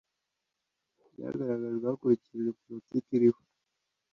byagaragajwe hakurikijwe politiki iriho